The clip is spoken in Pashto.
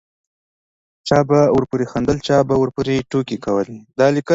چا به ورپورې خندل چا به ورپورې ټوکې کولې.